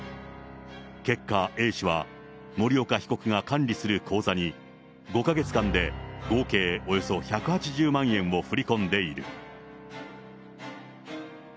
結果、Ａ氏は森岡被告が管理する口座に、５か月間で合計およそ１８０万円を振り込んでいる。